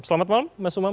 selamat malam mas umam